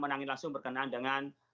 menangin langsung berkenaan dengan